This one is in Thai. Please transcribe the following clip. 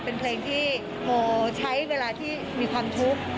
เป็นเพลงที่โมใช้เวลาที่มีความทุกข์